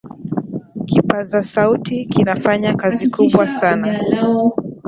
kipaza sauti kinafanya kazi kubwa sana